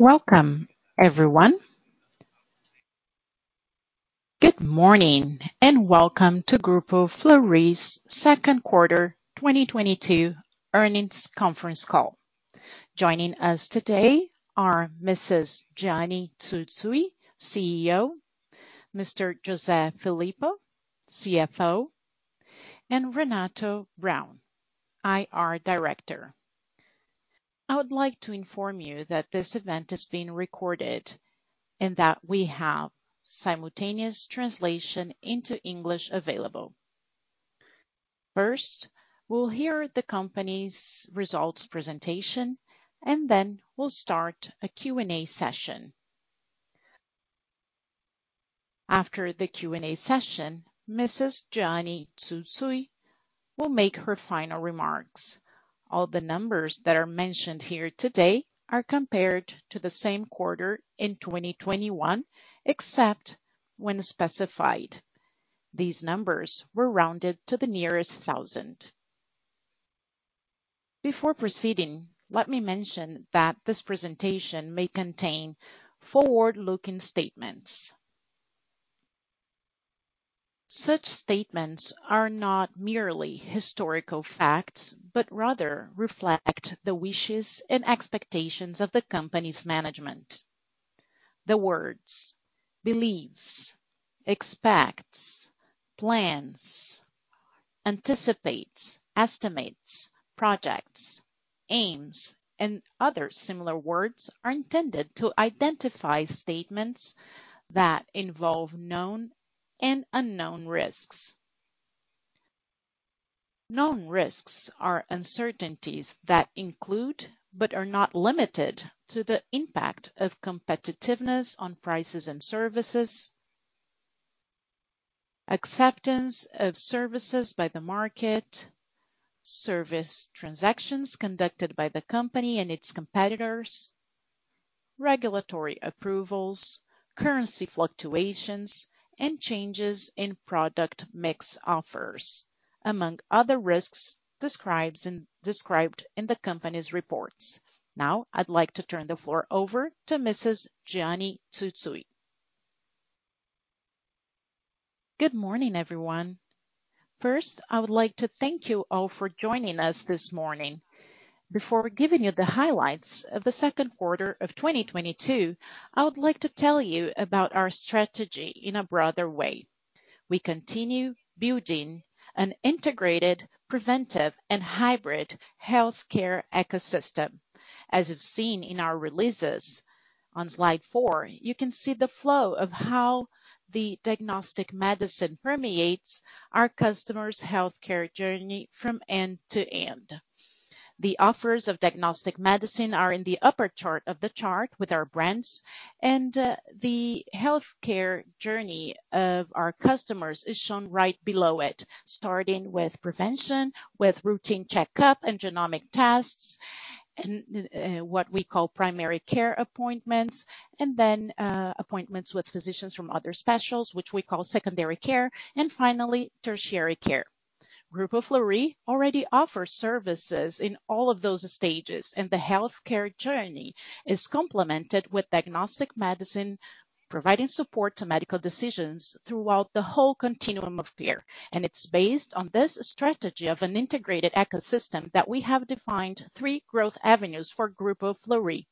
Welcome, everyone. Good morning and welcome to Grupo Fleury's second quarter 2022 earnings conference call. Joining us today are Mrs. Jeane Tsutsui, CEO, Mr. José Filippo, CFO, and Renato Braun, IR Director. I would like to inform you that this event is being recorded and that we have simultaneous translation into English available. First, we'll hear the company's results presentation, and then we'll start a Q&A session. After the Q&A session, Mrs. Jeane Tsutsui will make her final remarks. All the numbers that are mentioned here today are compared to the same quarter in 2021, except when specified. These numbers were rounded to the nearest thousand. Before proceeding, let me mention that this presentation may contain forward-looking statements. Such statements are not merely historical facts, but rather reflect the wishes and expectations of the company's management. The words believes, expects, plans, anticipates, estimates, projects, aims, and other similar words are intended to identify statements that involve known and unknown risks. Known risks are uncertainties that include but are not limited to the impact of competitiveness on prices and services, acceptance of services by the market, service transactions conducted by the company and its competitors, regulatory approvals, currency fluctuations, and changes in product mix offers, among other risks described in the company's reports. Now I'd like to turn the floor over to Mrs. Jeane Tsutsui. Good morning, everyone. First, I would like to thank you all for joining us this morning. Before giving you the highlights of the second quarter of 2022, I would like to tell you about our strategy in a broader way. We continue building an integrated, preventive, and hybrid healthcare ecosystem. As you've seen in our releases on slide four, you can see the flow of how the diagnostic medicine permeates our customer's healthcare journey from end to end. The offers of diagnostic medicine are in the upper chart of the chart with our brands, and the healthcare journey of our customers is shown right below it, starting with prevention, with routine checkup and genomic tests, and what we call primary care appointments, and then appointments with physicians from other specialties, which we call secondary care, and finally, tertiary care. Grupo Fleury already offers services in all of those stages, and the healthcare journey is complemented with diagnostic medicine, providing support to medical decisions throughout the whole continuum of care. It's based on this strategy of an integrated ecosystem that we have defined three growth avenues for Grupo Fleury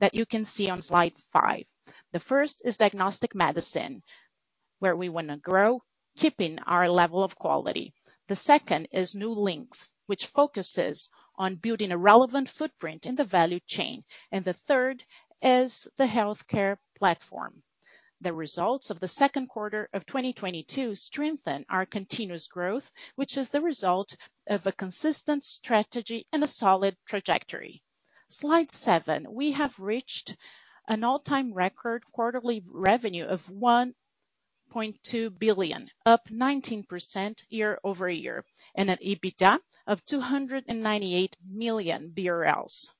that you can see on slide five. The first is diagnostic medicine, where we wanna grow, keeping our level of quality. The second is New Links, which focuses on building a relevant footprint in the value chain. The third is the Healthcare Platform. The results of the second quarter of 2022 strengthen our continuous growth, which is the result of a consistent strategy and a solid trajectory. Slide seven, we have reached an all-time record quarterly revenue of 1.2 billion, up 19% year-over-year, and an EBITDA of 298 million BRL,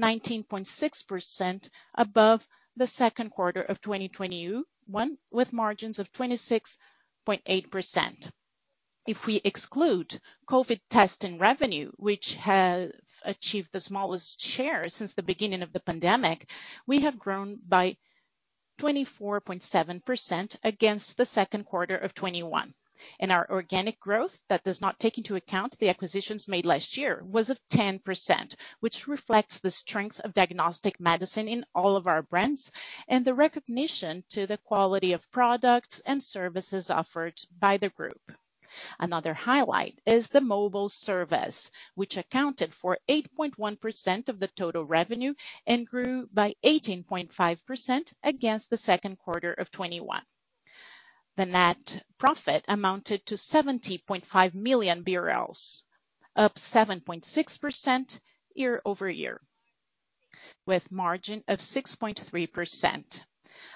19.6% above the second quarter of 2021, with margins of 26.8%. If we exclude COVID testing revenue, which have achieved the smallest share since the beginning of the pandemic, we have grown by 24.7% against the second quarter of 2021. Our organic growth that does not take into account the acquisitions made last year was of 10%, which reflects the strength of diagnostic medicine in all of our brands and the recognition to the quality of products and services offered by the group. Another highlight is the mobile service, which accounted for 8.1% of the total revenue and grew by 18.5% against the second quarter of 2021. The net profit amounted to 70.5 million BRL, up 7.6% year-over-year, with margin of 6.3%.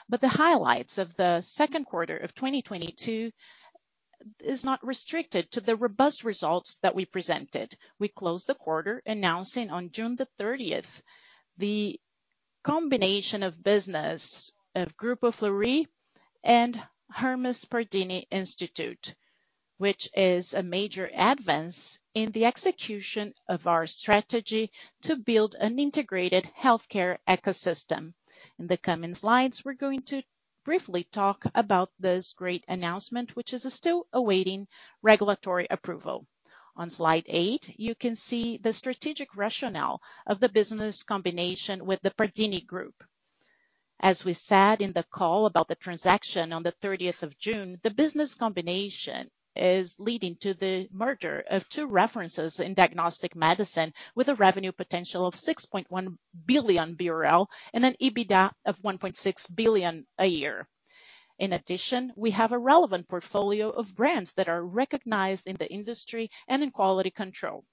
The highlights of the second quarter of 2022 is not restricted to the robust results that we presented. We closed the quarter announcing on June 30th, the business combination of Grupo Fleury and Instituto Hermes Pardini, which is a major advance in the execution of our strategy to build an integrated healthcare ecosystem. In the coming slides, we're going to briefly talk about this great announcement, which is still awaiting regulatory approval. On slide eight, you can see the strategic rationale of the business combination with the Pardini Group. As we said in the call about the transaction on the June 30th, the business combination is leading to the merger of two references in diagnostic medicine, with a revenue potential of 6.1 billion BRL and an EBITDA of 1.6 billion a year. In addition, we have a relevant portfolio of brands that are recognized in the industry and in quality control.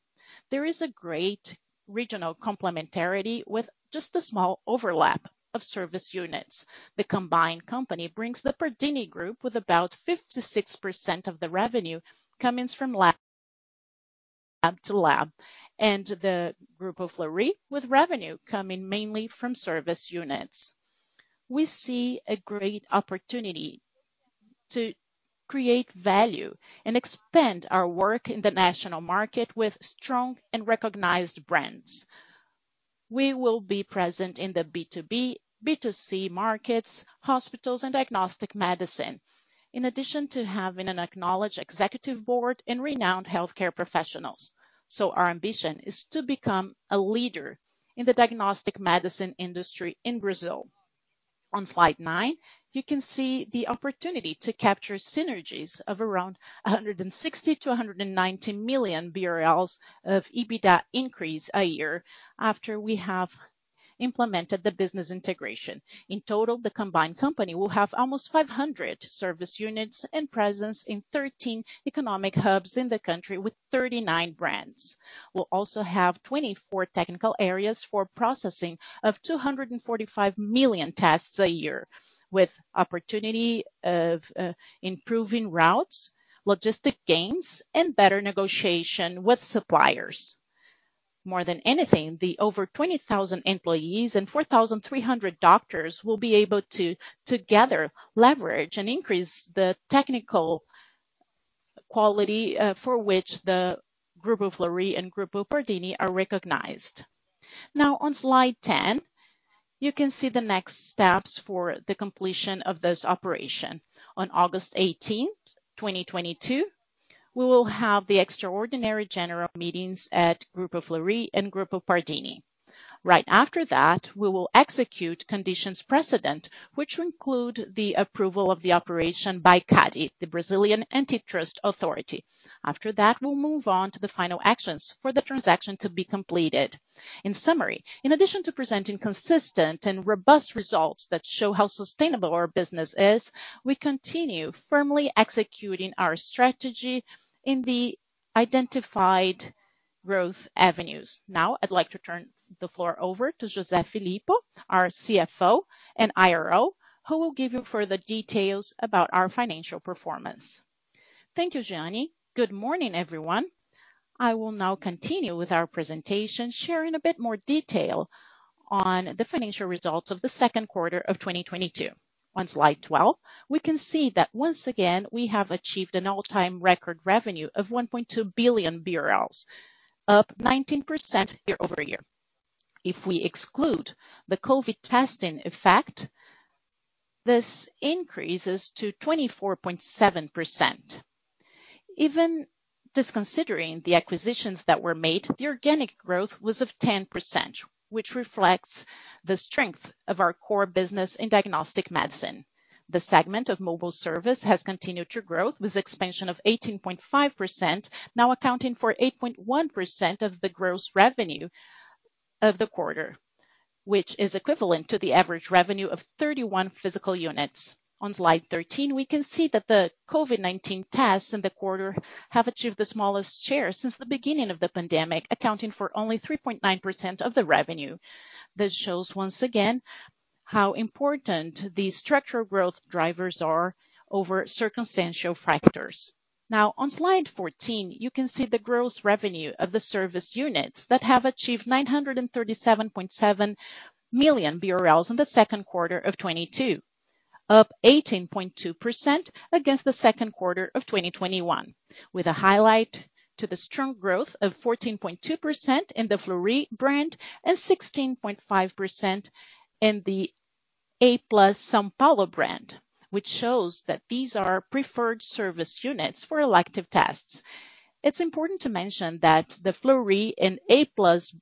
There is a great regional complementarity with just a small overlap of service units. The combined company brings the Grupo Pardini with about 56% of the revenue coming from Lab-to-Lab, and the Grupo Fleury with revenue coming mainly from service units. We see a great opportunity to create value and expand our work in the national market with strong and recognized brands. We will be present in the B2B, B2C markets, hospitals, and diagnostic medicine. In addition to having an acknowledged executive board and renowned healthcare professionals. Our ambition is to become a leader in the diagnostic medicine industry in Brazil. On slide nine, you can see the opportunity to capture synergies of around 160 million-190 million BRL of EBITDA increase a year after we have implemented the business integration. In total, the combined company will have almost 500 service units and presence in 13 economic hubs in the country with 39 brands. We'll also have 24 technical areas for processing of 245 million tests a year, with opportunity of improving routes, logistic gains, and better negotiation with suppliers. More than anything, the over 20,000 employees and 4,300 doctors will be able to together leverage and increase the technical quality for which the Grupo Fleury and Grupo Pardini are recognized. Now, on slide 10, you can see the next steps for the completion of this operation. On August 18th, 2022, we will have the extraordinary general meetings at Grupo Fleury and Grupo Pardini. Right after that, we will execute conditions precedent, which include the approval of the operation by CADE, the Brazilian Antitrust Authority. After that, we'll move on to the final actions for the transaction to be completed. In summary, in addition to presenting consistent and robust results that show how sustainable our business is, we continue firmly executing our strategy in the identified growth avenues. Now, I'd like to turn the floor over to José Filippo, our CFO and IRO, who will give you further details about our financial performance. Thank you, Jeane. Good morning, everyone. I will now continue with our presentation, sharing a bit more detail on the financial results of the second quarter of 2022. On slide 12, we can see that once again, we have achieved an all-time record revenue of 1.2 billion BRL, up 19% year-over-year. If we exclude the COVID testing effect, this increases to 24.7%. Even disconsidering the acquisitions that were made, the organic growth was of 10%, which reflects the strength of our core business in diagnostic medicine. The segment of mobile service has continued to grow with expansion of 18.5%, now accounting for 8.1% of the gross revenue of the quarter, which is equivalent to the average revenue of 31 physical units. On slide 13, we can see that the COVID-19 tests in the quarter have achieved the smallest share since the beginning of the pandemic, accounting for only 3.9% of the revenue. This shows once again how important the structural growth drivers are over circumstantial factors. Now on slide 14, you can see the gross revenue of the service units that have achieved 937.7 million BRL in the second quarter of 2022, up 18.2% against the second quarter of 2021, with a highlight to the strong growth of 14.2% in the Fleury brand and 16.5% in the a+ São Paulo brand, which shows that these are preferred service units for elective tests. It's important to mention that the Fleury and a+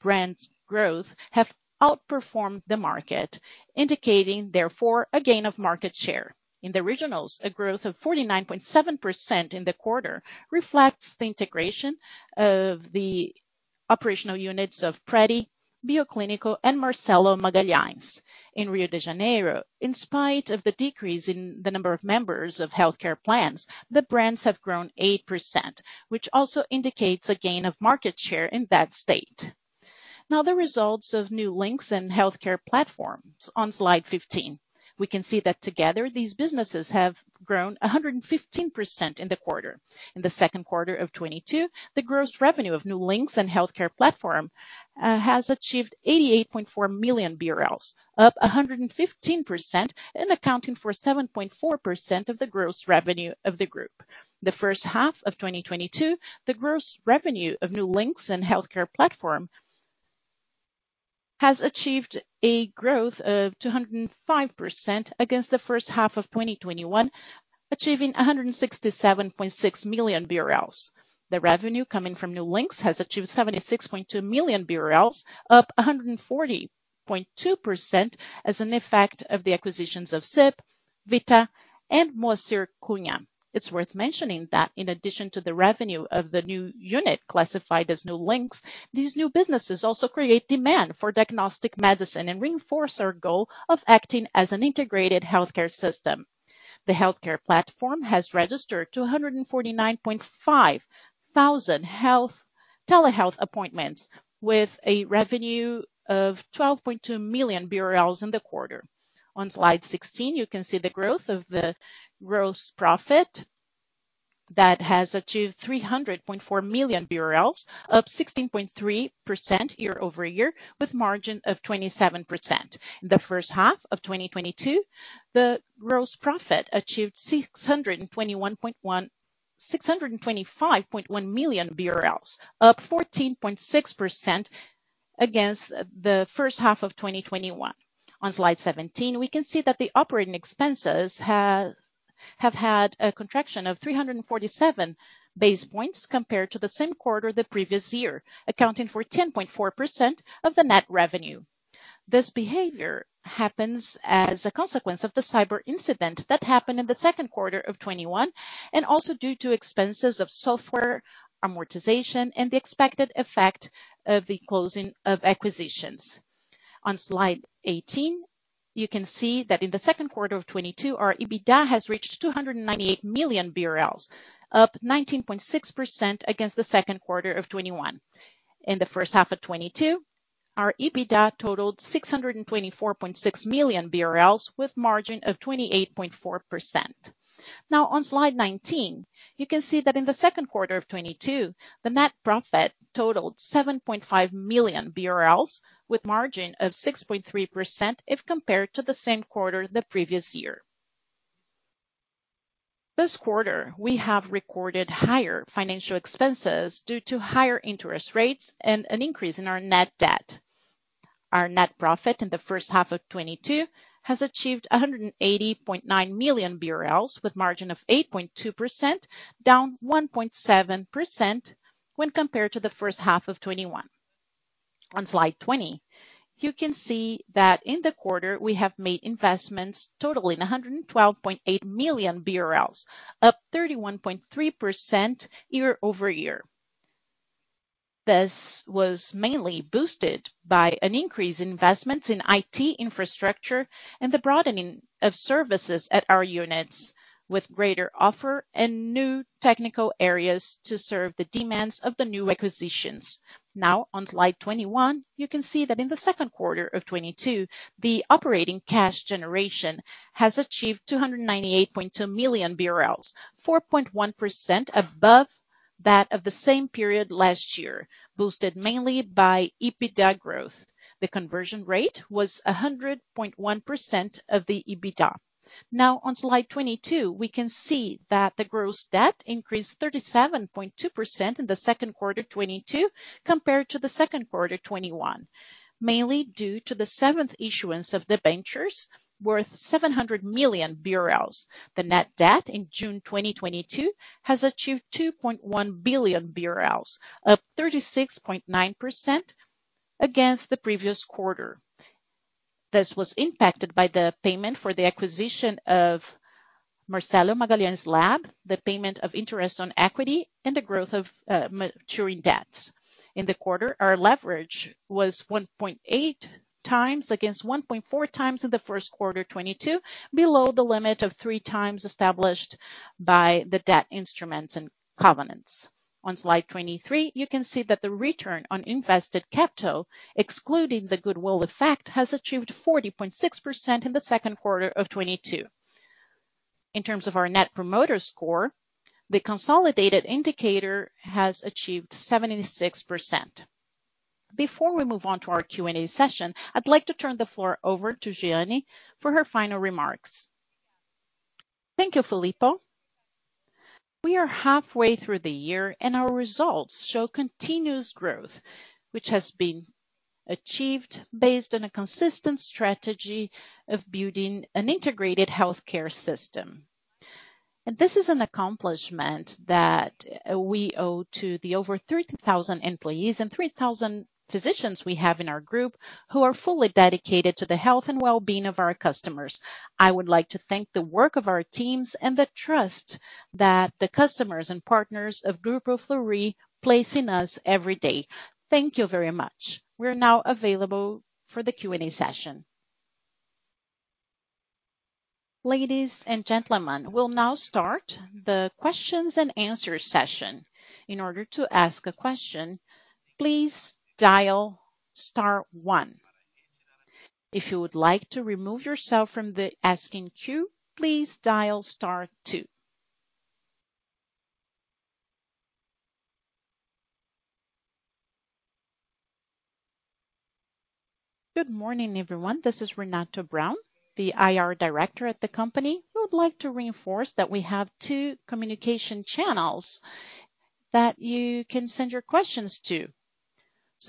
brand growth have outperformed the market, indicating therefore, a gain of market share. In the regionals, a growth of 49.7% in the quarter reflects the integration of the operational units of Pardini, Bioclínico and Marcelo Magalhães in Rio de Janeiro. In spite of the decrease in the number of members of healthcare plans, the brands have grown 8%, which also indicates a gain of market share in that state. Now the results of New Links and Healthcare Platform on slide 15. We can see that together, these businesses have grown 115% in the quarter. In the second quarter of 2022, the gross revenue of New Links and Healthcare Platform has achieved 88.4 million BRL, up 115% and accounting for 7.4% of the gross revenue of the group. The first half of 2022, the gross revenue of New Links and Healthcare Platform has achieved a growth of 205% against the first half of 2021, achieving 167.6 million BRL. The revenue coming from New Links has achieved 76.2 million BRL, up 140.2% as an effect of the acquisitions of Zyp, Vita, and Moacir Cunha. It's worth mentioning that in addition to the revenue of the new unit classified as New Links, these new businesses also create demand for diagnostic medicine and reinforce our goal of acting as an integrated healthcare system. The healthcare platform has registered 249.5 thousand telehealth appointments with a revenue of 12.2 million BRL in the quarter. On slide 16, you can see the growth of the gross profit that has achieved 300.4 million BRL, up 16.3% year-over-year, with margin of 27%. In the first half of 2022, the gross profit achieved 625.1 million BRL, up 14.6% against the first half of 2021. On slide 17, we can see that the operating expenses have had a contraction of 347 base points compared to the same quarter the previous year, accounting for 10.4% of the net revenue. This behavior happens as a consequence of the cyber incident that happened in the second quarter of 2021, and also due to expenses of software amortization and the expected effect of the closing of acquisitions. On slide 18, you can see that in the second quarter of 2022, our EBITDA has reached 298 million BRL, up 19.6% against the second quarter of 2021. In the first half of 2022, our EBITDA totaled 624.6 million BRL with margin of 28.4%. Now on slide 19, you can see that in the second quarter of 2022, the net profit totaled 7.5 million BRL with margin of 6.3% if compared to the same quarter the previous year. This quarter, we have recorded higher financial expenses due to higher interest rates and an increase in our net debt. Our net profit in the first half of 2022 has achieved 180.9 million BRL with margin of 8.2%, down 1.7% when compared to the first half of 2021. On slide 20, you can see that in the quarter, we have made investments totaling 112.8 million BRL, up 31.3% year-over-year. This was mainly boosted by an increase in investments in IT infrastructure and the broadening of services at our units with greater offer and new technical areas to serve the demands of the new acquisitions. Now on slide 21, you can see that in the second quarter of 2022, the operating cash generation has achieved 298.2 million BRL, 4.1% above that of the same period last year, boosted mainly by EBITDA growth. The conversion rate was 100.1% of the EBITDA. Now on slide 22, we can see that the gross debt increased 37.2% in the second quarter 2022 compared to the second quarter 2021, mainly due to the seventh issuance of the debentures worth 700 million BRL. The net debt in June 2022 has achieved 2.1 billion BRL, up 36.9% against the previous quarter. This was impacted by the payment for the acquisition of Marcelo Magalhães Lab, the payment of interest on equity, and the growth of maturing debts. In the quarter, our leverage was 1.8x against 1.4x in the first quarter 2022, below the limit of 3x established by the debt instruments and covenants. On slide 23, you can see that the return on invested capital, excluding the goodwill effect, has achieved 40.6% in the second quarter of 2022. In terms of our net promoter score, the consolidated indicator has achieved 76%. Before we move on to our Q&A session, I'd like to turn the floor over to Jeane for her final remarks. Thank you, Filippo. We are halfway through the year, and our results show continuous growth, which has been achieved based on a consistent strategy of building an integrated healthcare system. This is an accomplishment that we owe to the over 30,000 employees and 3,000 physicians we have in our group who are fully dedicated to the health and well-being of our customers. I would like to thank the work of our teams and the trust that the customers and partners of Grupo Fleury place in us every day. Thank you very much. We are now available for the Q&A session. Ladies and gentlemen, we'll now start the questions and answers session. In order to ask a question, please dial star one. If you would like to remove yourself from the asking queue, please dial star two. Good morning, everyone. This is Renato Braun, the IR director at the company. We would like to reinforce that we have two communication channels that you can send your questions to.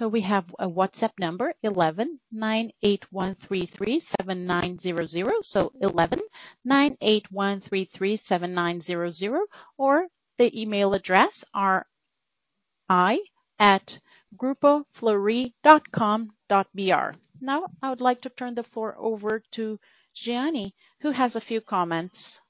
We have a WhatsApp number 11 98133 7900. 11 98133 7900, or the email address ri@grupofleury.com.br. Now, I would like to turn the floor over to Jeane, who has a few comments.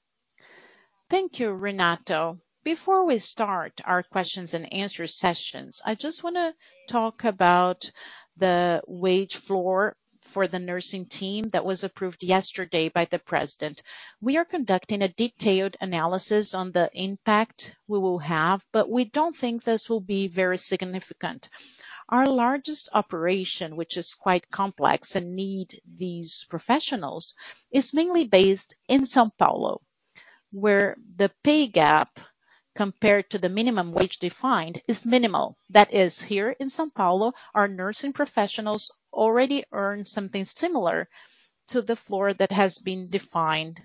Thank you, Renato. Before we start our questions and answer sessions, I just wanna talk about the wage floor for the nursing team that was approved yesterday by the president. We are conducting a detailed analysis on the impact we will have, but we don't think this will be very significant. Our largest operation, which is quite complex and need these professionals, is mainly based in São Paulo, where the pay gap compared to the minimum wage defined is minimal. That is, here in São Paulo, our nursing professionals already earn something similar to the floor that has been defined.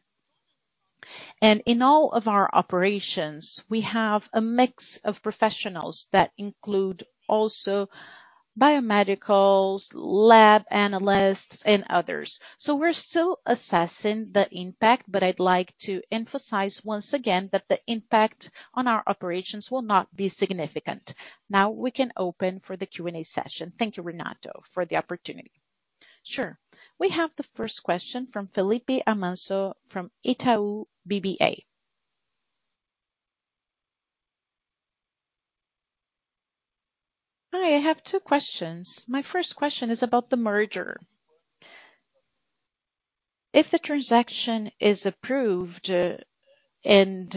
In all of our operations, we have a mix of professionals that include also biomedical lab analysts and others. We're still assessing the impact, but I'd like to emphasize once again that the impact on our operations will not be significant. Now we can open for the Q&A session. Thank you, Renato, for the opportunity. Sure. We have the first question from Felipe Amancio from Itaú BBA. Hi, I have two questions. My first question is about the merger. If the transaction is approved and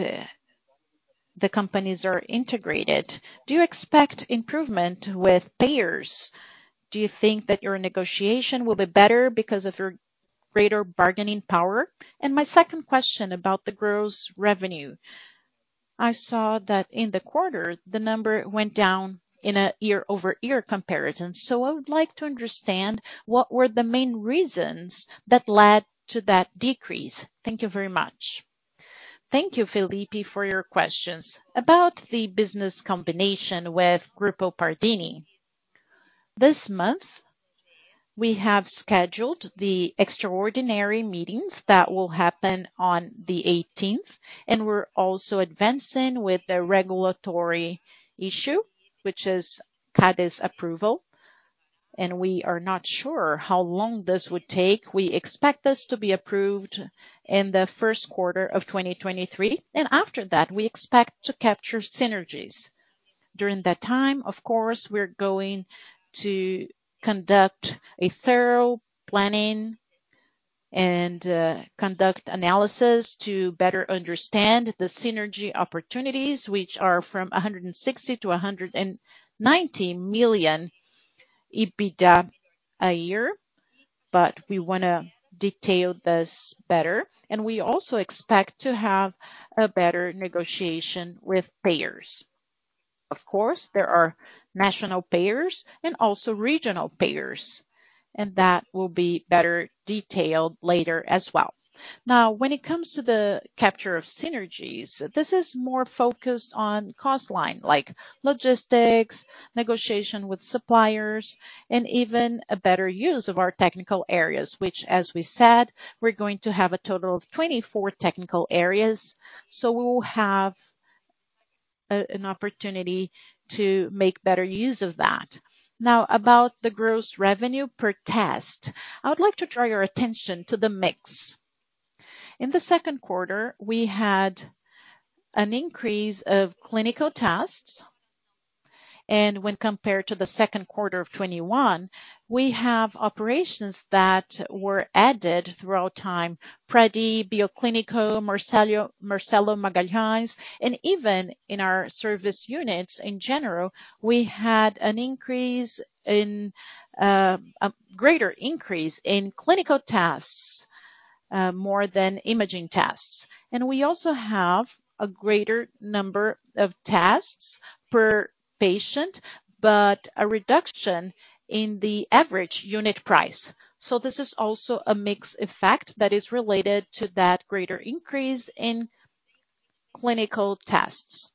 the companies are integrated, do you expect improvement with payers? Do you think that your negotiation will be better because of your greater bargaining power? My second question about the gross revenue. I saw that in the quarter the number went down in a year-over-year comparison. I would like to understand what were the main reasons that led to that decrease. Thank you very much. Thank you, Felipe, for your questions. About the business combination with Grupo Pardini. This month we have scheduled the extraordinary meetings that will happen on the 18th, and we're also advancing with the regulatory issue, which is CADE's approval. We are not sure how long this would take. We expect this to be approved in the first quarter of 2023, and after that, we expect to capture synergies. During that time, of course, we're going to conduct a thorough planning and conduct analysis to better understand the synergy opportunities, which are from 160 million-190 million EBITDA a year. We wanna detail this better. We also expect to have a better negotiation with payers. Of course, there are national payers and also regional payers, and that will be better detailed later as well. Now, when it comes to the capture of synergies, this is more focused on cost line, like logistics, negotiation with suppliers, and even a better use of our technical areas, which as we said, we're going to have a total of 24 technical areas. We will have an opportunity to make better use of that. Now, about the gross revenue per test, I would like to draw your attention to the mix. In the second quarter, we had an increase of clinical tests, and when compared to the second quarter of 2021, we have operations that were added over time. Pretti, Bioclínico, Marcelo Magalhães, and even in our service units in general, we had a greater increase in clinical tests more than imaging tests. We also have a greater number of tests per patient, but a reduction in the average unit price. This is also a mix effect that is related to that greater increase in clinical tests.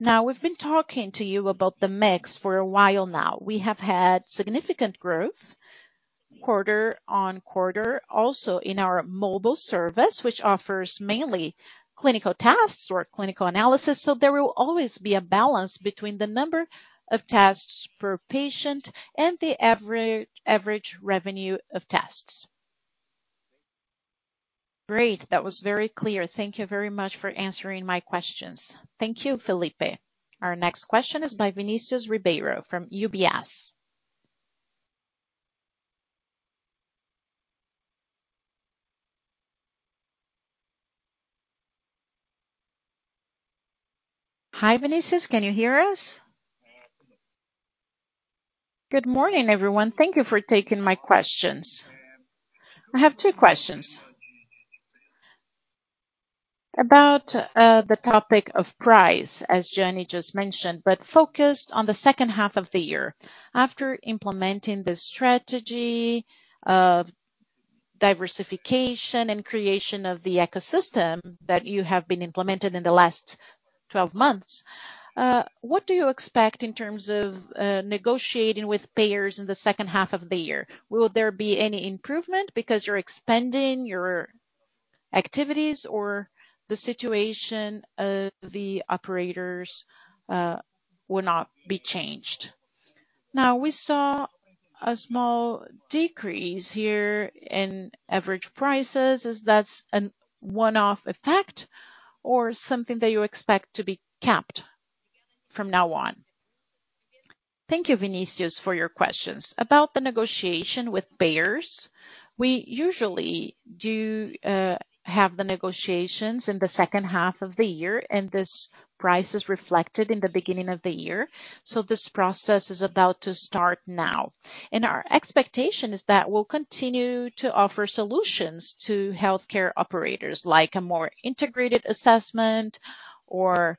Now, we've been talking to you about the mix for a while now. We have had significant growth quarter-on-quarter also in our mobile service, which offers mainly clinical tests or clinical analysis. There will always be a balance between the number of tests per patient and the average revenue of tests. Great. That was very clear. Thank you very much for answering my questions. Thank you, Felipe. Our next question is by Vinicius Ribeiro from UBS. Hi, Vinicius. Can you hear us? Yeah. Good morning, everyone. Thank you for taking my questions. I have two questions. About the topic of price, as Jeane just mentioned, but focused on the second half of the year. After implementing the strategy of diversification and creation of the ecosystem that you have implemented in the last 12 months, what do you expect in terms of negotiating with payers in the second half of the year? Will there be any improvement because you're expanding your activities or the situation of the operators will not be changed? Now, we saw a small decrease here in average prices. Is that a one-off effect or something that you expect to be capped from now on? Thank you, Vinícius, for your questions. About the negotiation with payers, we usually do have the negotiations in the second half of the year, and this price is reflected in the beginning of the year. This process is about to start now. Our expectation is that we'll continue to offer solutions to healthcare operators, like a more integrated assessment or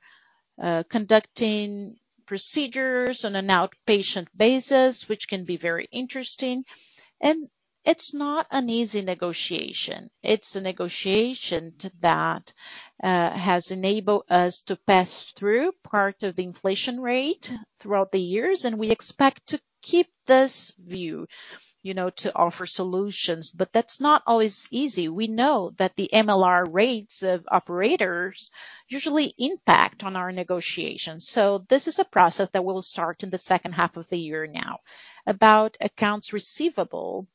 conducting procedures on an outpatient basis, which can be very interesting. It's not an easy negotiation. It's a negotiation that has enabled us to pass through part of the inflation rate throughout the years, and we expect to keep this view, you know, to offer solutions. That's not always easy. We know that the MLR rates of operators usually impact on our negotiations. This is a process that will start in the second half of the year now. About accounts receivable,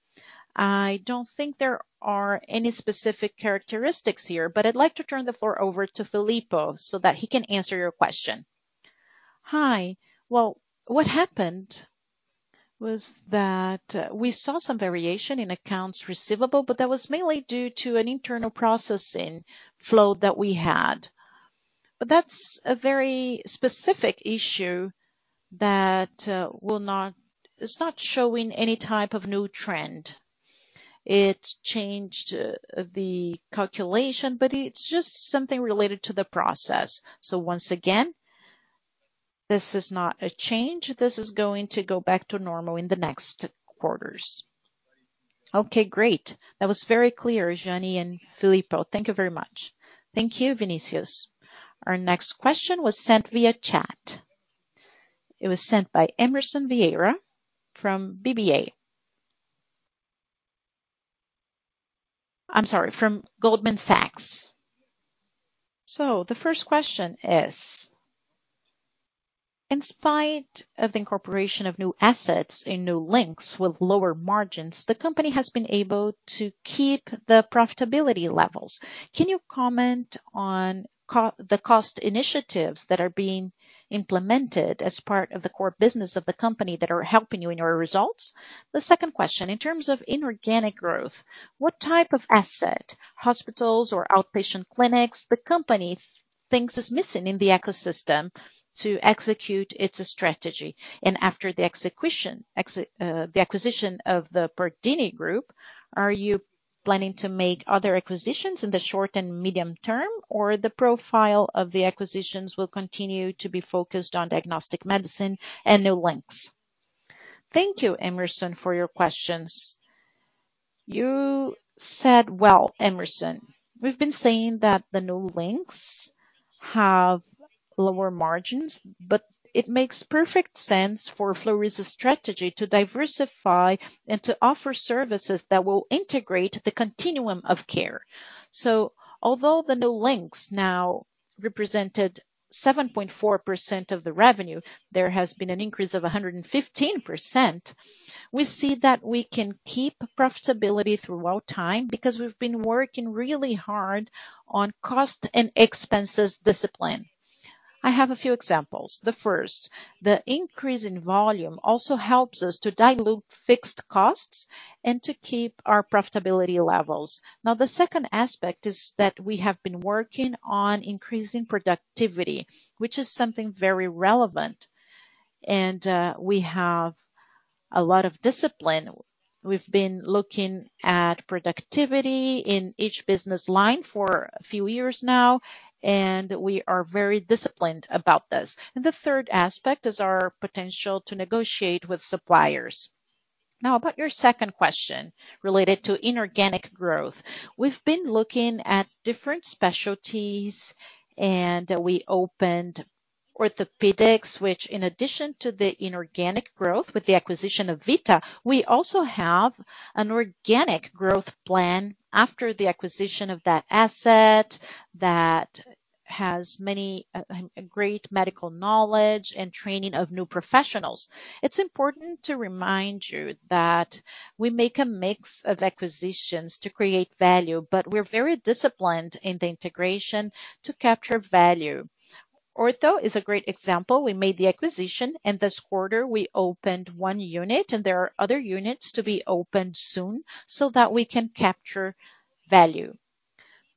I don't think there are any specific characteristics here, but I'd like to turn the floor over to Filippo so that he can answer your question. Hi. Well, what happened was that we saw some variation in accounts receivable, but that was mainly due to an internal processing flow that we had. That's a very specific issue that it's not showing any type of new trend. It changed the calculation, but it's just something related to the process. Once again, this is not a change. This is going to go back to normal in the next quarters. Okay, great. That was very clear, Jeane and Filippo. Thank you very much. Thank you, Vinicius. Our next question was sent via chat. It was sent by Emerson Vieira from BBA. I'm sorry, from Goldman Sachs. The first question is, in spite of the incorporation of new assets in New Links with lower margins, the company has been able to keep the profitability levels. Can you comment on the cost initiatives that are being implemented as part of the core business of the company that are helping you in your results? The second question, in terms of inorganic growth, what type of asset, hospitals or outpatient clinics, the company thinks is missing in the ecosystem to execute its strategy? After the acquisition of the Pardini Group, are you planning to make other acquisitions in the short and medium term, or the profile of the acquisitions will continue to be focused on diagnostic medicine and New Links? Thank you, Emerson, for your questions. You said well, Emerson. We've been saying that the New Links have lower margins, but it makes perfect sense for Fleury's strategy to diversify and to offer services that will integrate the continuum of care. Although the New Links now represented 7.4% of the revenue, there has been an increase of 115%. We see that we can keep profitability throughout time because we've been working really hard on cost and expenses discipline. I have a few examples. The first, the increase in volume also helps us to dilute fixed costs and to keep our profitability levels. The second aspect is that we have been working on increasing productivity, which is something very relevant. We have a lot of discipline. We've been looking at productivity in each business line for a few years now, and we are very disciplined about this. The third aspect is our potential to negotiate with suppliers. About your second question related to inorganic growth. We've been looking at different specialties, and we opened orthopedics, which in addition to the inorganic growth with the acquisition of Vita, we also have an organic growth plan after the acquisition of that asset that has many great medical knowledge and training of new professionals. It's important to remind you that we make a mix of acquisitions to create value, but we're very disciplined in the integration to capture value. Ortho is a great example. We made the acquisition, and this quarter we opened one unit, and there are other units to be opened soon so that we can capture value.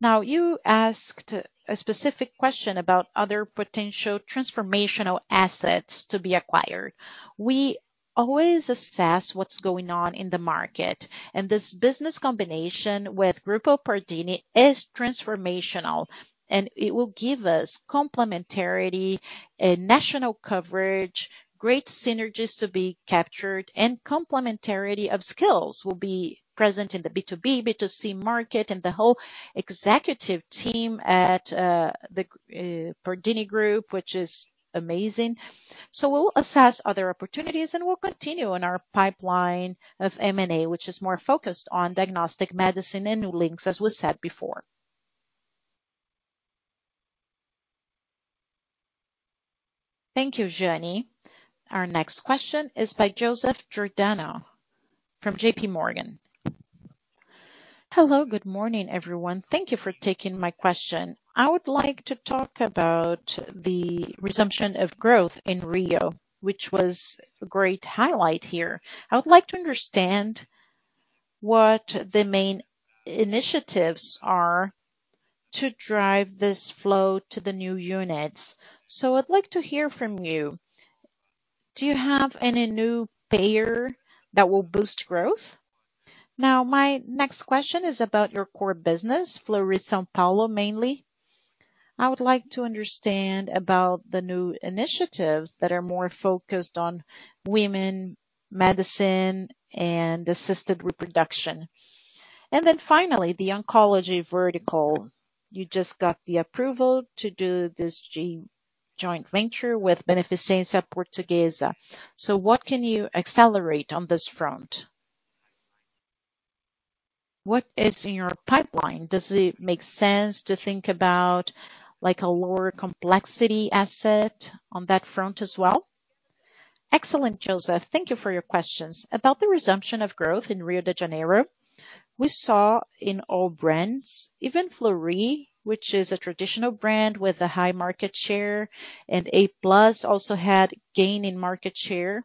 Now you asked a specific question about other potential transformational assets to be acquired. We always assess what's going on in the market, and this business combination with Grupo Pardini is transformational, and it will give us complementarity, national coverage, great synergies to be captured, and complementarity of skills will be present in the B2B, B2C market. The whole executive team at the Pardini Group, which is amazing. We'll assess other opportunities, and we'll continue on our pipeline of M&A, which is more focused on diagnostic medicine and New Links, as we said before. Thank you, Jeane. Our next question is by Joseph Giordano from JPMorgan. Hello, good morning, everyone. Thank you for taking my question. I would like to talk about the resumption of growth in Rio, which was a great highlight here. I would like to understand what the main initiatives are to drive this flow to the new units. I'd like to hear from you, do you have any new payer that will boost growth? Now, my next question is about your core business, Fleury São Paulo, mainly. I would like to understand about the new initiatives that are more focused on women's medicine and assisted reproduction. Finally, the oncology vertical. You just got the approval to do this joint venture with Beneficência Portuguesa. What can you accelerate on this front? What is in your pipeline? Does it make sense to think about like a lower complexity asset on that front as well? Excellent, Joseph. Thank you for your questions. About the resumption of growth in Rio de Janeiro, we saw in all brands, even Fleury, which is a traditional brand with a high market share, and a+ also had gain in market share.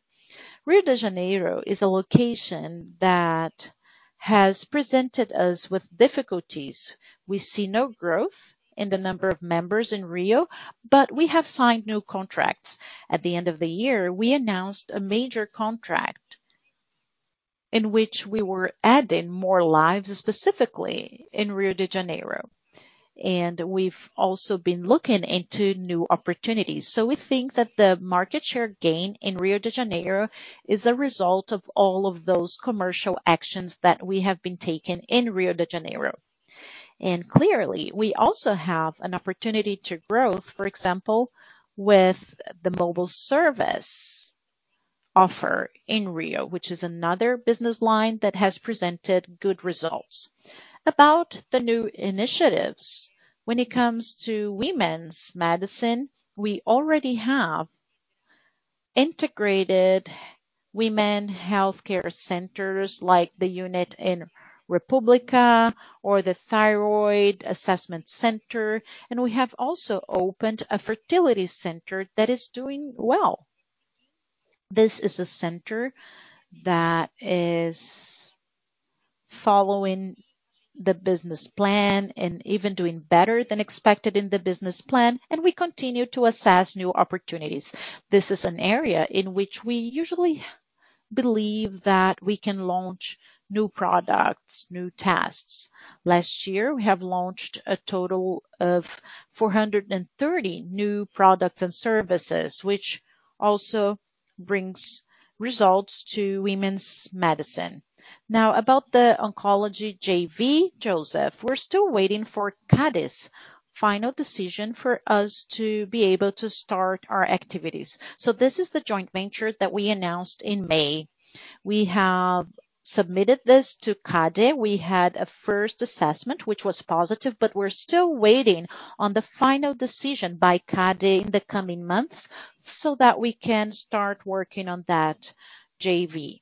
Rio de Janeiro is a location that has presented us with difficulties. We see no growth in the number of members in Rio, but we have signed new contracts. At the end of the year, we announced a major contract in which we were adding more lives, specifically in Rio de Janeiro. We've also been looking into new opportunities. We think that the market share gain in Rio de Janeiro is a result of all of those commercial actions that we have been taking in Rio de Janeiro. Clearly, we also have an opportunity to growth, for example, with the mobile service offer in Rio, which is another business line that has presented good results. About the new initiatives, when it comes to women's medicine, we already have integrated women healthcare centers like the unit in República or the Thyroid Assessment Center, and we have also opened a fertility center that is doing well. This is a center that is following the business plan and even doing better than expected in the business plan, and we continue to assess new opportunities. This is an area in which we usually believe that we can launch new products, new tests. Last year, we have launched a total of 430 new products and services, which also brings results to women's medicine. Now about the oncology Joseph, we're still waiting for CADE's final decision for us to be able to start our activities. This is the joint venture that we announced in May. We have submitted this to CADE. We had a first assessment, which was positive, but we're still waiting on the final decision by CADE in the coming months so that we can start working on that Joseph.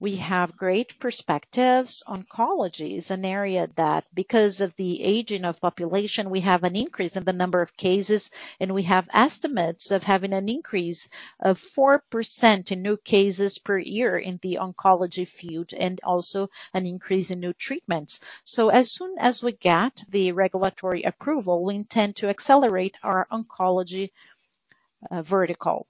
We have great perspectives. Oncology is an area that because of the aging of population, we have an increase in the number of cases, and we have estimates of having an increase of 4% in new cases per year in the oncology field, and also an increase in new treatments. As soon as we get the regulatory approval, we intend to accelerate our oncology vertical.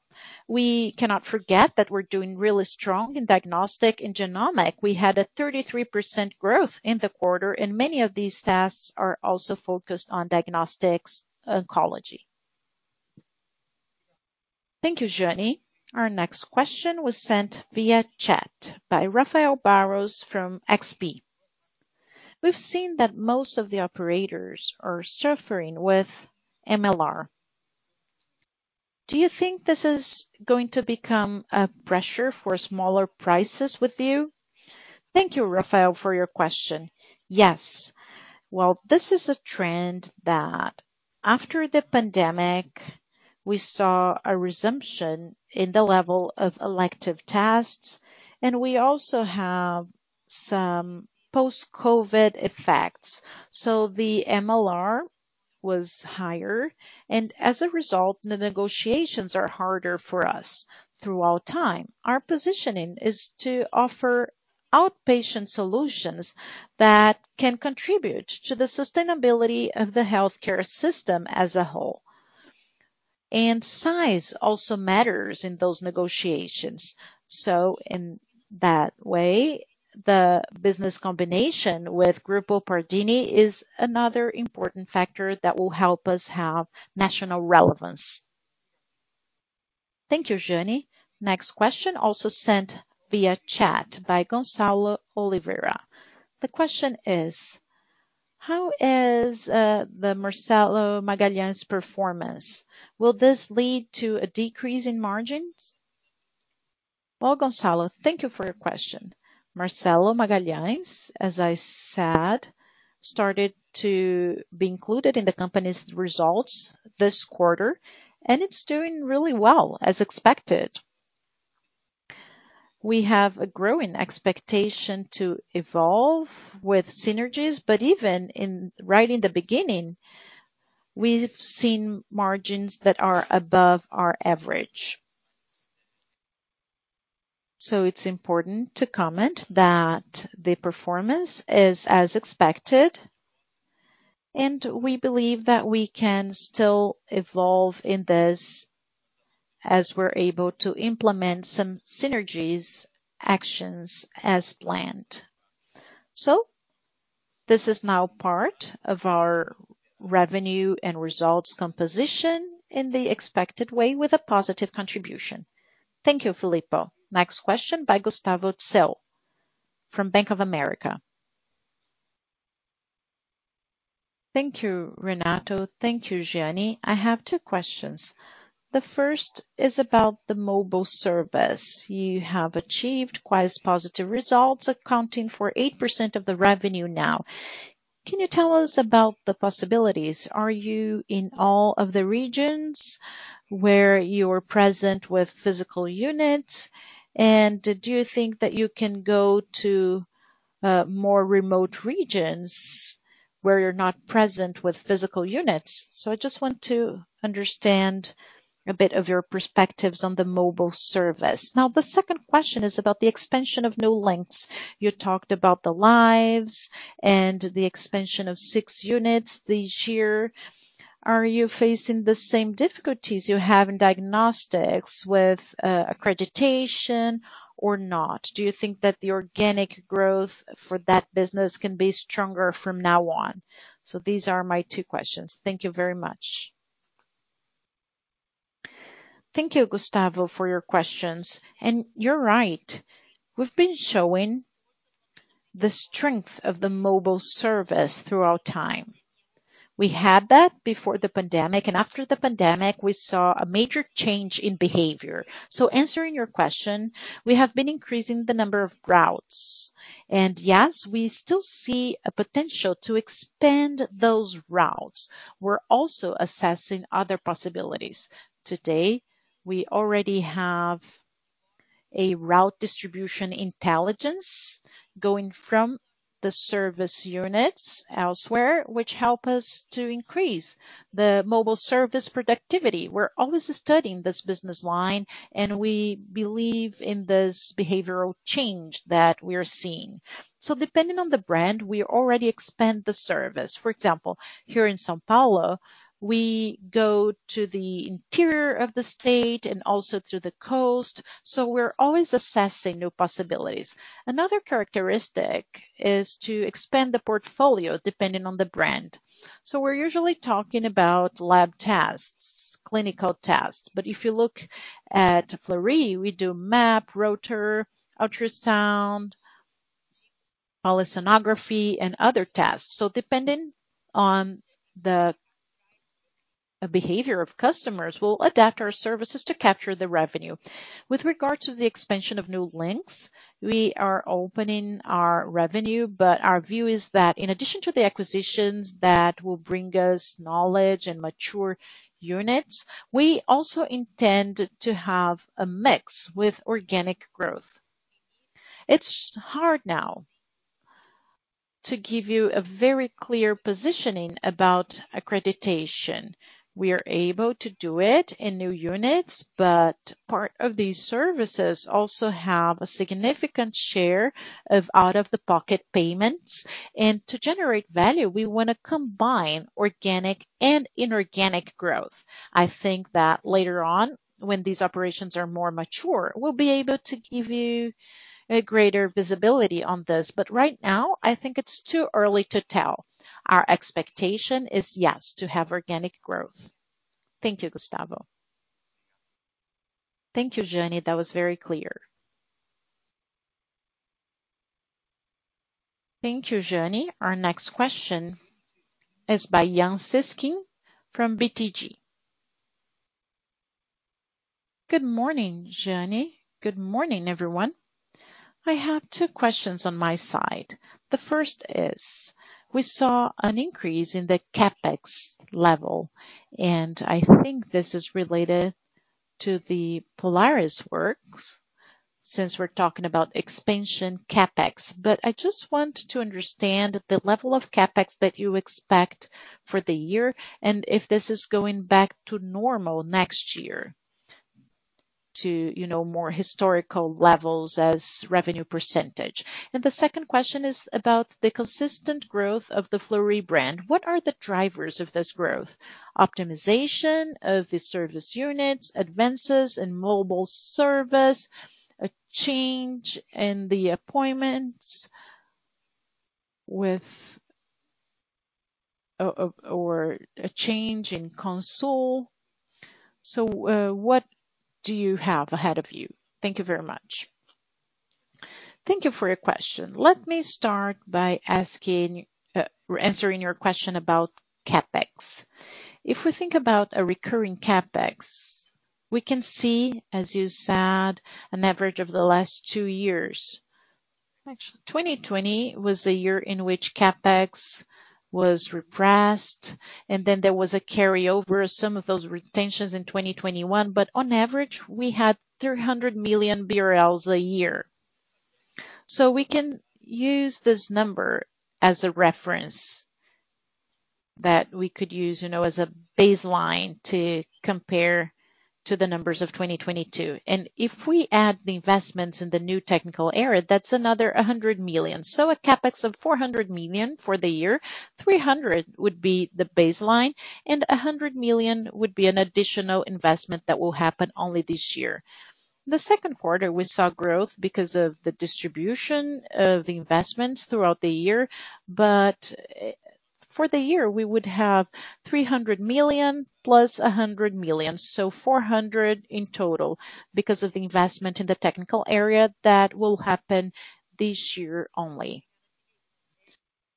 We cannot forget that we're doing really strong in diagnostic and genomic. We had a 33% growth in the quarter, and many of these tests are also focused on diagnostics oncology. Thank you, Jeane. Our next question was sent via chat by Rafael Barros from XP. We've seen that most of the operators are suffering with MLR. Do you think this is going to become a pressure for smaller prices with you? Thank you, Rafael, for your question. Yes. Well, this is a trend that after the pandemic, we saw a resumption in the level of elective tests, and we also have some post-COVID effects. The MLR was higher and as a result, the negotiations are harder for us over time. Our positioning is to offer outpatient solutions that can contribute to the sustainability of the healthcare system as a whole. Size also matters in those negotiations. In that way, the business combination with Grupo Pardini is another important factor that will help us have national relevance. Thank you, Jeane. Next question also sent via chat by Gonzalo Olivera. The question is, how is the Marcelo Magalhães performance? Will this lead to a decrease in margins? Well, Gonzalo, thank you for your question. Marcelo Magalhães, as I said, started to be included in the company's results this quarter, and it's doing really well, as expected. We have a growing expectation to evolve with synergies, but right in the beginning, we've seen margins that are above our average. It's important to comment that the performance is as expected, and we believe that we can still evolve in this as we're able to implement some synergies actions as planned. This is now part of our revenue and results composition in the expected way with a positive contribution. Thank you, Filippo. Next question by Gustavo Miele from Bank of America. Thank you, Renato. Thank you, Jeane. I have two questions. The first is about the mobile service. You have achieved quite positive results, accounting for 8% of the revenue now. Can you tell us about the possibilities? Are you in all of the regions where you are present with physical units? And do you think that you can go to more remote regions where you're not present with physical units? I just want to understand a bit of your prospects on the mobile service. Now, the second question is about the expansion of New Links. You talked about the labs and the expansion of six units this year. Are you facing the same difficulties you have in diagnostics with accreditation or not? Do you think that the organic growth for that business can be stronger from now on? These are my two questions. Thank you very much. Thank you, Gustavo, for your questions. You're right. We've been showing the strength of the mobile service throughout time. We had that before the pandemic, and after the pandemic, we saw a major change in behavior. Answering your question, we have been increasing the number of routes. Yes, we still see a potential to expand those routes. We're also assessing other possibilities. Today, we already have a route distribution intelligence going from the service units elsewhere, which help us to increase the mobile service productivity. We're always studying this business line, and we believe in this behavioral change that we are seeing. Depending on the brand, we already expand the service. For example, here in São Paulo, we go to the interior of the state and also to the coast. We're always assessing new possibilities. Another characteristic is to expand the portfolio depending on the brand. We're usually talking about lab tests, clinical tests. If you look at Fleury, we do MAPA, Holter, ultrasound, ultrasonography, and other tests. Depending on the behavior of customers, we'll adapt our services to capture the revenue. With regards to the expansion of New Links, we are opening new units, but our view is that in addition to the acquisitions that will bring us knowledge and mature units, we also intend to have a mix with organic growth. It's hard now to give you a very clear positioning about accreditation. We are able to do it in new units, but part of these services also have a significant share of out-of-the-pocket payments. To generate value, we wanna combine organic and inorganic growth. I think that later on, when these operations are more mature, we'll be able to give you a greater visibility on this. Right now, I think it's too early to tell. Our expectation is, yes, to have organic growth. Thank you, Gustavo. Thank you, Jeane. That was very clear. Thank you, Jeane. Our next question is by Yan Cesquim from BTG. Good morning, Jeane. Good morning, everyone. I have two questions on my side. The first is, we saw an increase in the CapEx level, and I think this is related to the Polaris works, since we're talking about expansion CapEx. I just want to understand the level of CapEx that you expect for the year, and if this is going back to normal next year to, you know, more historical levels as revenue percentage. The second question is about the consistent growth of the Fleury brand. What are the drivers of this growth? Optimization of the service units, advances in mobile service, a change in the appointments with or a change in control? What do you have ahead of you? Thank you very much. Thank you for your question. Let me start by answering your question about CapEx. If we think about a recurring CapEx, we can see, as you said, an average of the last two years. Actually, 2020 was a year in which CapEx was repressed, and then there was a carryover, some of those retentions in 2021. On average, we had 300 million BRL a year. We can use this number as a reference that we could use, you know, as a baseline to compare to the numbers of 2022. If we add the investments in the new technical area, that's another 100 million. A CapEx of 400 million for the year, 300 million would be the baseline, and 100 million would be an additional investment that will happen only this year. The second quarter, we saw growth because of the distribution of the investments throughout the year. For the year, we would have 300 million plus 100 million, so 400 million in total because of the investment in the technical area that will happen this year only.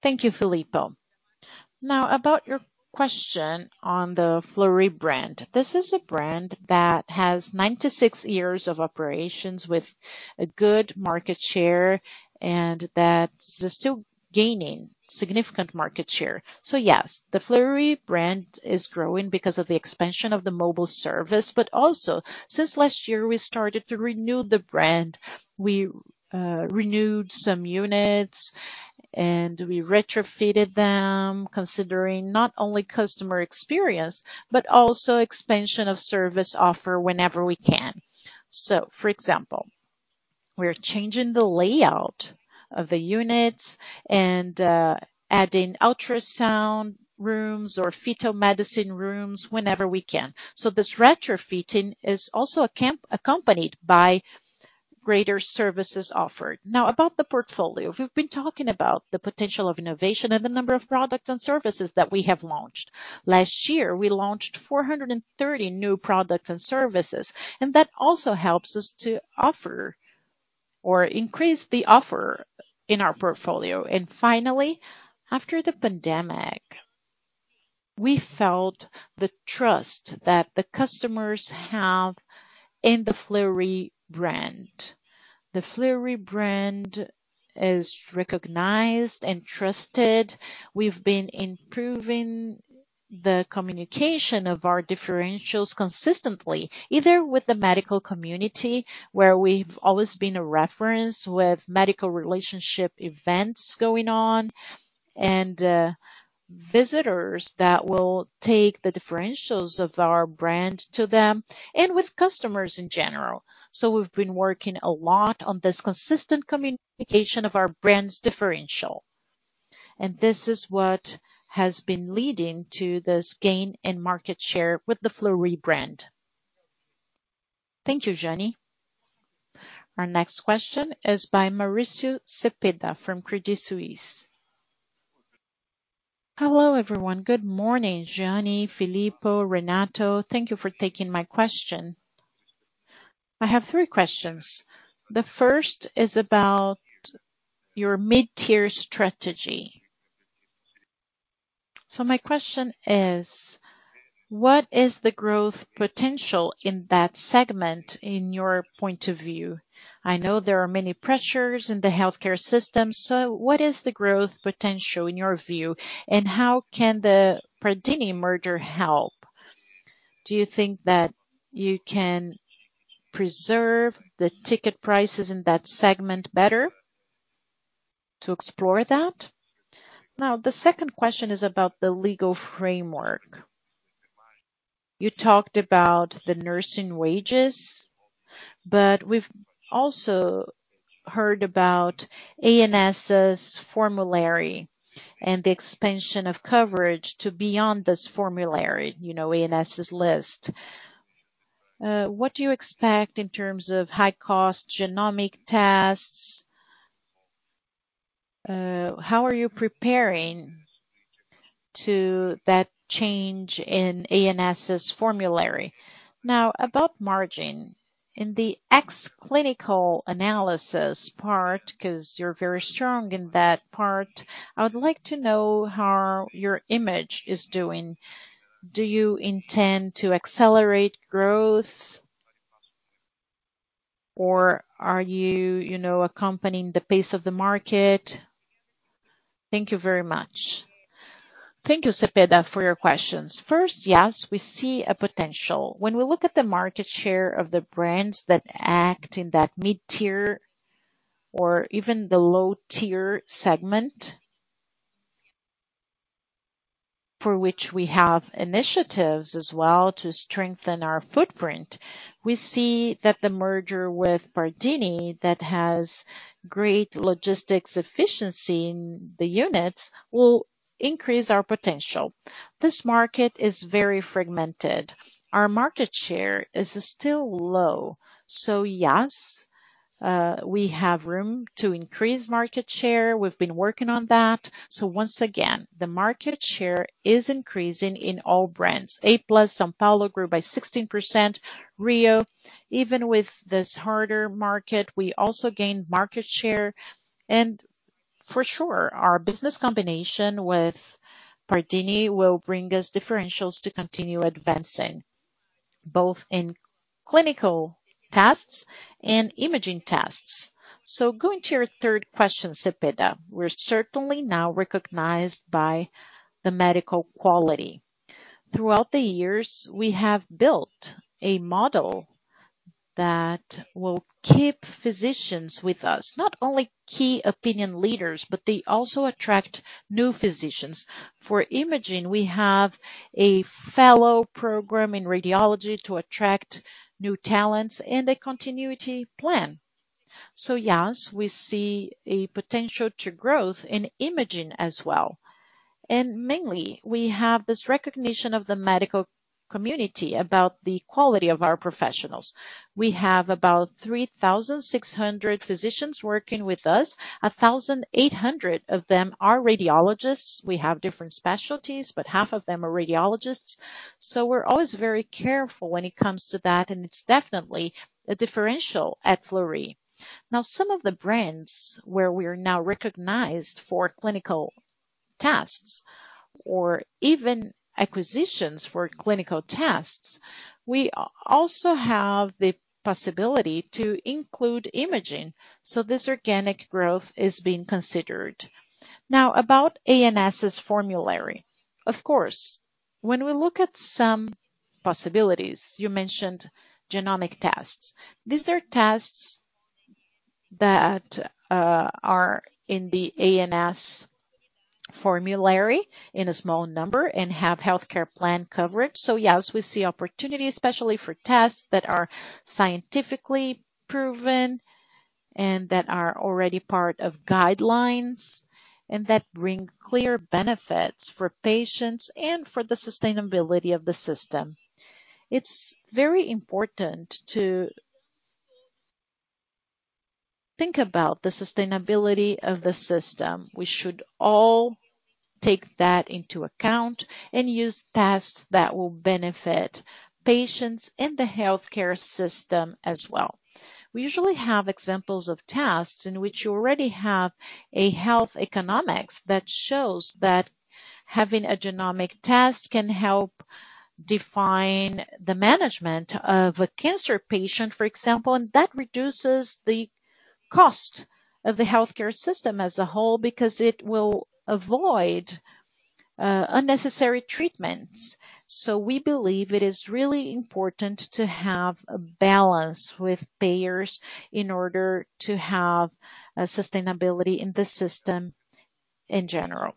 Thank you, Filippo. Now about your question on the Fleury brand. This is a brand that has 96 years of operations with a good market share and that is still gaining significant market share. Yes, the Fleury brand is growing because of the expansion of the mobile service. Also since last year, we started to renew the brand. We renewed some units, and we retrofitted them, considering not only customer experience, but also expansion of service offer whenever we can. For example, we're changing the layout of the units and adding ultrasound rooms or fetal medicine rooms whenever we can. This retrofitting is also accompanied by greater services offered. Now about the portfolio. We've been talking about the potential of innovation and the number of products and services that we have launched. Last year, we launched 430 new products and services, and that also helps us to offer or increase the offer in our portfolio. Finally, after the pandemic, we felt the trust that the customers have in the Fleury brand. The Fleury brand is recognized and trusted. We've been improving the communication of our differentials consistently, either with the medical community, where we've always been a reference with medical relationship events going on, and visitors that will take the differentials of our brand to them and with customers in general. We've been working a lot on this consistent communication of our brand's differential, and this is what has been leading to this gain in market share with the Fleury brand. Thank you, Jeane. Our next question is by Maurício Cepeda from Credit Suisse. Hello, everyone. Good morning, Jeane, Filippo, Renato. Thank you for taking my question. I have three questions. The first is about your mid-tier strategy. My question is, what is the growth potential in that segment in your point of view? I know there are many pressures in the healthcare system. What is the growth potential in your view, and how can the Pardini merger help? Do you think that you can preserve the ticket prices in that segment better to explore that? Now, the second question is about the legal framework. You talked about the nursing wages, but we've also heard about ANS' formulary and the expansion of coverage to beyond this formulary, you know, ANS' list. What do you expect in terms of high cost genomic tests? How are you preparing to that change in ANS' formulary? Now, about margin. In the ex clinical analysis part, because you're very strong in that part, I would like to know how your imaging is doing. Do you intend to accelerate growth? Or are you know, accompanying the pace of the market? Thank you very much. Thank you, Cepeda, for your questions. First, yes, we see a potential. When we look at the market share of the brands that act in that mid-tier or even the low-tier segment, for which we have initiatives as well to strengthen our footprint, we see that the merger with Pardini, that has great logistics efficiency in the units, will increase our potential. This market is very fragmented. Our market share is still low. Yes, we have room to increase market share. We've been working on that. Once again, the market share is increasing in all brands. a+ São Paulo grew by 16%. Rio, even with this harder market, we also gained market share. For sure, our business combination with Pardini will bring us differentials to continue advancing, both in clinical tests and imaging tests. Going to your third question, Cepeda, we're certainly now recognized by the medical quality. Throughout the years, we have built a model that will keep physicians with us, not only key opinion leaders, but they also attract new physicians. For imaging, we have a fellow program in radiology to attract new talents and a continuity plan. Yes, we see a potential to growth in imaging as well. Mainly, we have this recognition of the medical community about the quality of our professionals. We have about 3,600 physicians working with us. 1,800 of them are radiologists. We have different specialties, but half of them are radiologists. We're always very careful when it comes to that, and it's definitely a differential at Fleury. Now, some of the brands where we are now recognized for clinical tests or even acquisitions for clinical tests, we also have the possibility to include imaging. This organic growth is being considered. Now, about ANS' formulary. Of course, when we look at some possibilities, you mentioned genomic tests. These are tests that are in the ANS' formulary in a small number and have healthcare plan coverage. So yes, we see opportunities, especially for tests that are scientifically proven and that are already part of guidelines and that bring clear benefits for patients and for the sustainability of the system. It's very important to think about the sustainability of the system. We should all take that into account and use tests that will benefit patients in the healthcare system as well. We usually have examples of tests in which you already have a health economics that shows that having a genomic test can help define the management of a cancer patient, for example, and that reduces the cost of the healthcare system as a whole because it will avoid unnecessary treatments. We believe it is really important to have a balance with payers in order to have a sustainability in the system in general.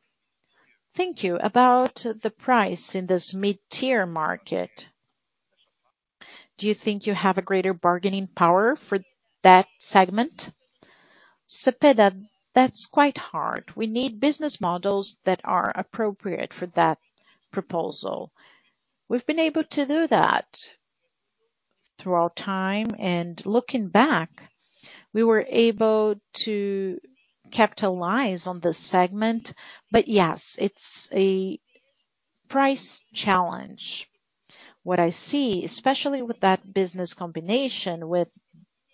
Thank you. About the price in this mid-tier market, do you think you have a greater bargaining power for that segment? Cepeda, that's quite hard. We need business models that are appropriate for that proposal. We've been able to do that throughout our time, and looking back, we were able to capitalize on this segment. But yes, it's a price challenge. What I see, especially with that business combination with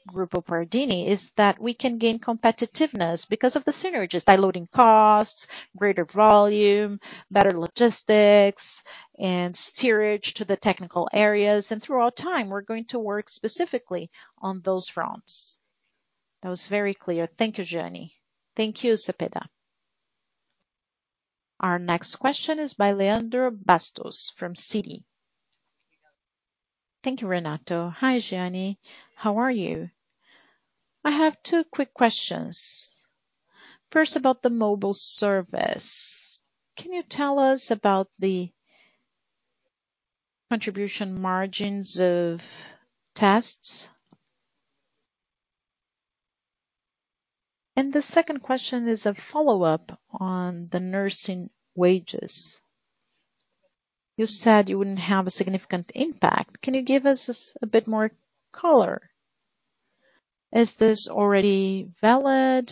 Grupo Pardini, is that we can gain competitiveness because of the synergies, by lowering costs, greater volume, better logistics, and steering to the technical areas. Throughout our time, we're going to work specifically on those fronts. That was very clear. Thank you, Jeane. Thank you, Cepeda. Our next question is by Leandro Bastos from Citi. Thank you, Renato. Hi, Jeane. How are you? I have two quick questions. First, about the mobile service. Can you tell us about the contribution margins of tests? And the second question is a follow-up on the nursing wages. You said you wouldn't have a significant impact. Can you give us a bit more color? Is this already valid?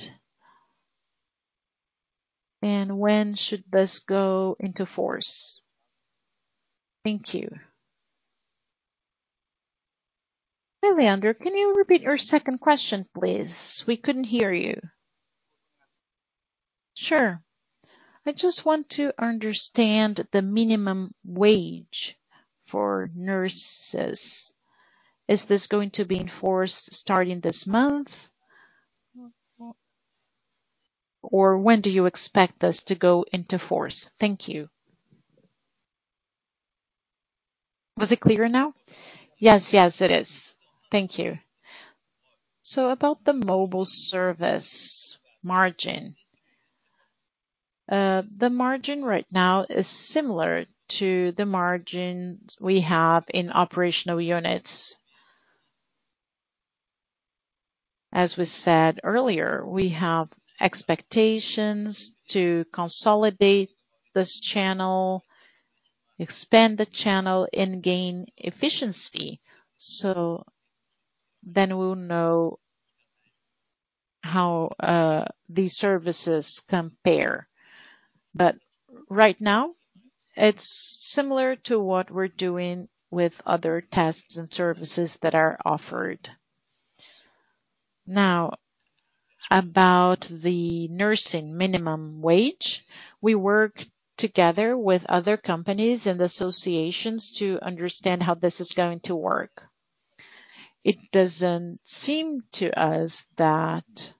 And when should this go into force? Thank you. Hey, Leandro, can you repeat your second question, please? We couldn't hear you. Sure. I just want to understand the minimum wage for nurses. Is this going to be enforced starting this month? Or when do you expect this to go into force? Thank you. Was it clearer now? Yes. Yes, it is. Thank you. About the mobile service margin. The margin right now is similar to the margin we have in operational units. As we said earlier, we have expectations to consolidate this channel, expand the channel, and gain efficiency. We'll know how these services compare. Right now, it's similar to what we're doing with other tests and services that are offered. Now, about the nursing minimum wage. We work together with other companies and associations to understand how this is going to work. It doesn't seem to us that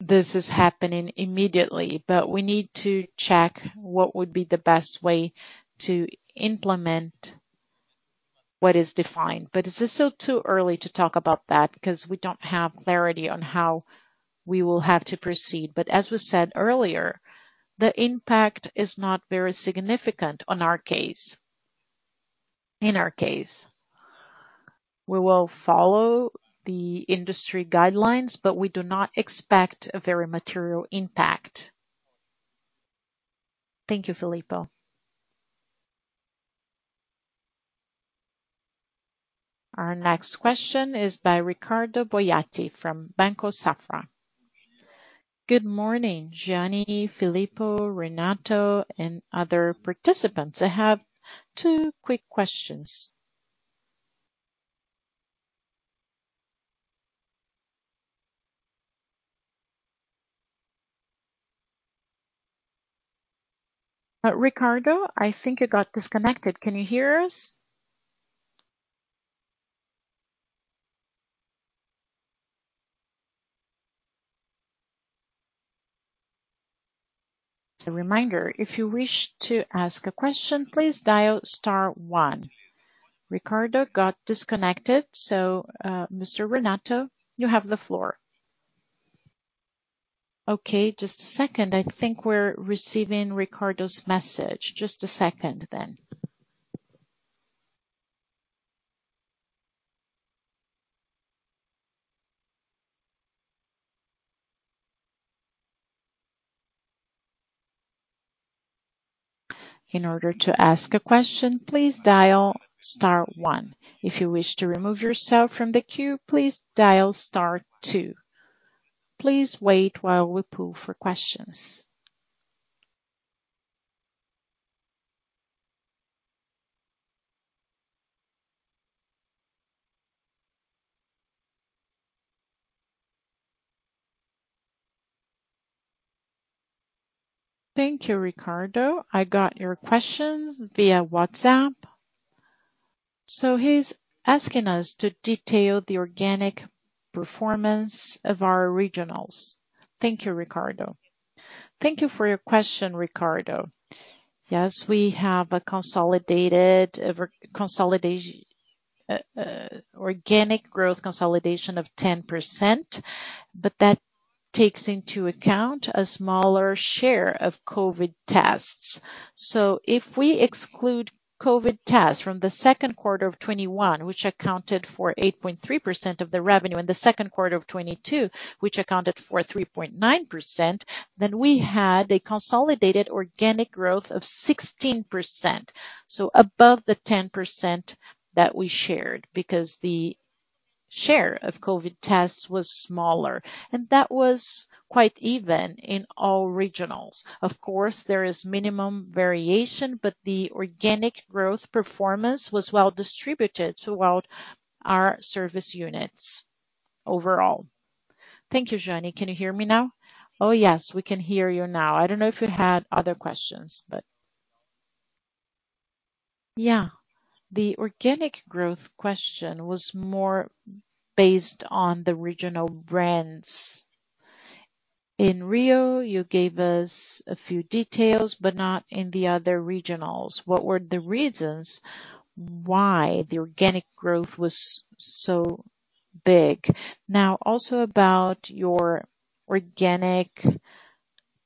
this is happening immediately, but we need to check what would be the best way to implement what is defined. It is still too early to talk about that because we don't have clarity on how we will have to proceed. As we said earlier, the impact is not very significant in our case. We will follow the industry guidelines, but we do not expect a very material impact. Thank you, Filippo. Our next question is by Ricardo Boiati from Banco Safra. Good morning, Jeane, Filippo, Renato, and other participants. I have two quick questions. Ricardo, I think you got disconnected. Can you hear us? A reminder, if you wish to ask a question, please dial star one. Ricardo got disconnected, Mr. Renato, you have the floor. Okay, just a second. I think we're receiving Ricardo's message. In order to ask a question, please dial star one. If you wish to remove yourself from the queue, please dial star two. Please wait while we poll for questions. Thank you, Ricardo. I got your questions via WhatsApp. He's asking us to detail the organic performance of our regionals. Thank you, Ricardo. Thank you for your question, Ricardo. Yes, we have a consolidated organic growth consolidation of 10%, but that takes into account a smaller share of COVID tests. If we exclude COVID tests from the second quarter of 2021, which accounted for 8.3% of the revenue, and the second quarter of 2022, which accounted for 3.9%, then we had a consolidated organic growth of 16%. Above the 10% that we shared because the share of COVID tests was smaller, and that was quite even in all regionals. Of course, there is minimum variation, but the organic growth performance was well distributed throughout our service units overall. Thank you, Jeane. Can you hear me now? Oh, yes, we can hear you now. I don't know if you had other questions. Yeah. The organic growth question was more based on the regional brands. In Rio, you gave us a few details, but not in the other regionals. What were the reasons why the organic growth was so big? Now, also about your organic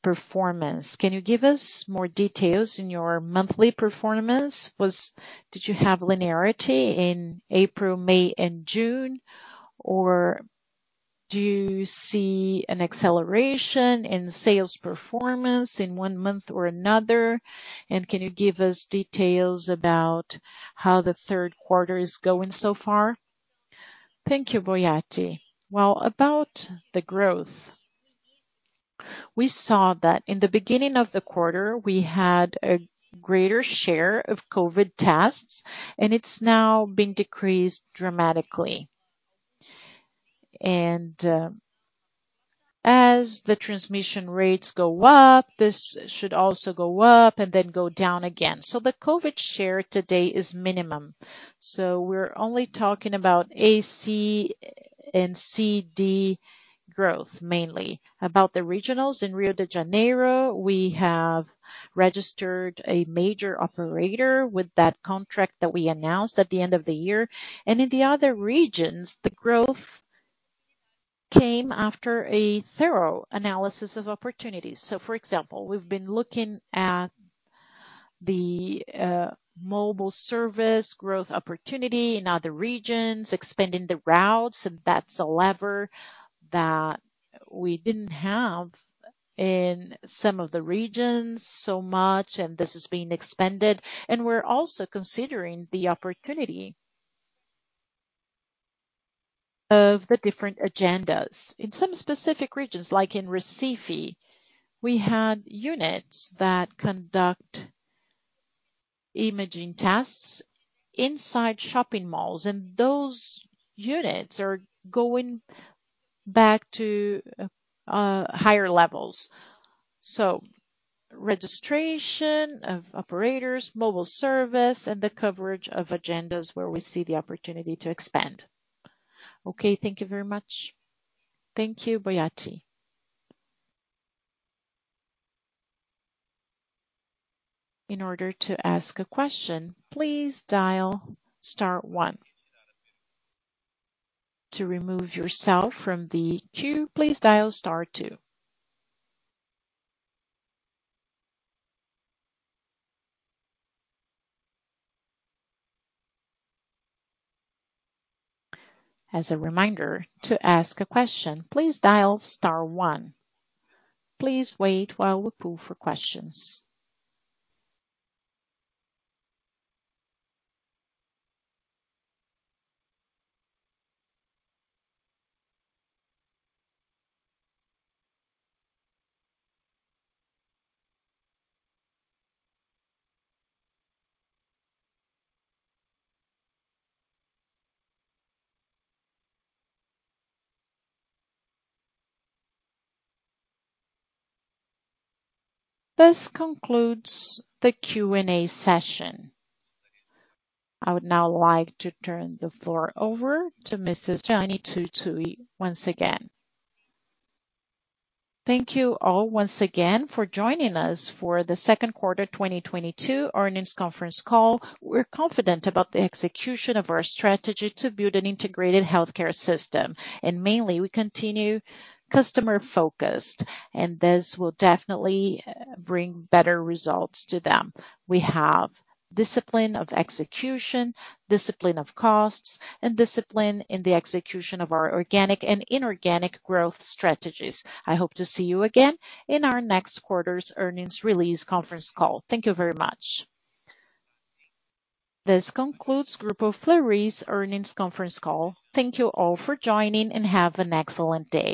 performance, can you give us more details in your monthly performance? Did you have linearity in April, May, and June, or do you see an acceleration in sales performance in one month or another? And can you give us details about how the third quarter is going so far? Thank you, Boiati. Well, about the growth, we saw that in the beginning of the quarter, we had a greater share of COVID tests, and it's now being decreased dramatically. As the transmission rates go up, this should also go up and then go down again. The COVID share today is minimum. We're only talking about B2C and B2B growth mainly. About the regionals in Rio de Janeiro, we have registered a major operator with that contract that we announced at the end of the year. In the other regions, the growth came after a thorough analysis of opportunities. For example, we've been looking at the mobile service growth opportunity in other regions, expanding the routes, and that's a lever that we didn't have in some of the regions so much, and this is being expanded. We're also considering the opportunity of the different agendas. In some specific regions, like in Recife, we had units that conduct imaging tests inside shopping malls, and those units are going back to higher levels. Registration of operators, mobile service, and the coverage of agendas where we see the opportunity to expand. Okay, thank you very much. Thank you, Boiati. In order to ask a question, please dial star one. To remove yourself from the queue, please dial star two. As a reminder, to ask a question, please dial star one. Please wait while we poll for questions. This concludes the Q&A session. I would now like to turn the floor over to Mrs. Jeane Tsutsui once again. Thank you all once again for joining us for the second quarter 2022 earnings conference call. We're confident about the execution of our strategy to build an integrated healthcare system. Mainly we continue customer-focused, and this will definitely bring better results to them. We have discipline of execution, discipline of costs, and discipline in the execution of our organic and inorganic growth strategies. I hope to see you again in our next quarter's earnings release conference call. Thank you very much. This concludes Grupo Fleury's earnings conference call. Thank you all for joining, and have an excellent day.